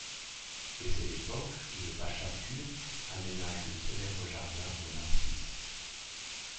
Et c'est l'époque où le pacha turc aménage le célèbre jardin aux narcisses.